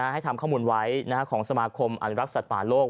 ให้ทำข้อมูลไว้ของสมาคมอนุรักษ์สัตว์ป่าโลก